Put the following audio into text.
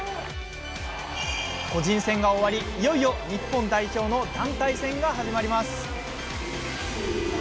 個人戦が終わり、いよいよ日本代表の団体戦が始まります。